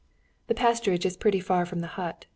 "The pasturage is pretty far from the hut.